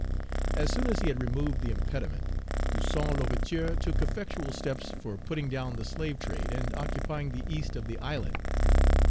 Page 126 As soon as he had removed the impediment, Toussaint L'Ouverture took effectual steps for putting down the slave trade, and occupying the east of the island.